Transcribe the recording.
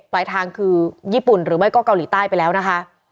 ปลายทางคือญี่ปุ่นหรือไม่ก็เกาหลีใต้ไปแล้วนะคะ